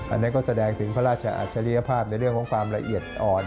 อันนี้ก็แสดงถึงพระราชอัจฉริยภาพในเรื่องของความละเอียดอ่อน